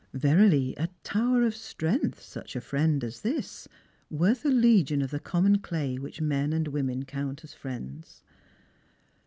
Verily a tower of strength such a friend as this, worth a legion of the common clay which men and women count as friends.